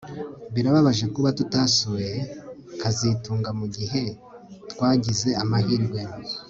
Birababaje kuba tutasuye kazitunga mugihe twagize amahirwe